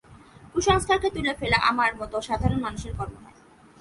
কুসংস্কারকে তুলে ফেলা আমার মতো সাধারণ মানুষের কর্ম নয়।